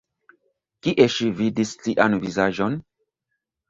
Kie ŝi vidis tian vizaĝon?